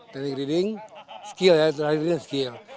teknik reading skill ya terhadap skill